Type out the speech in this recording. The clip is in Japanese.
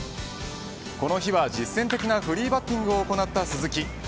この日は実戦的なフリーバッティングを行った鈴木。